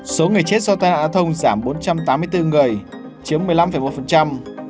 số người chết do tai nạn thông giảm bốn trăm tám mươi bốn người chiếm một mươi năm một